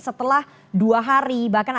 setelah dua hari bahkan